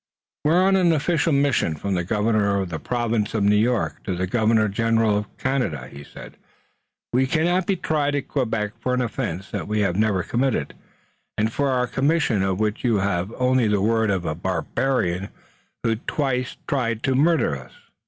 "We are on an official mission from the Governor of the Province of New York to the Governor General of Canada," he said. "We cannot be tried at Quebec for an offense that we have never committed, and for our commission of which you have only the word of a barbarian who twice tried to murder us."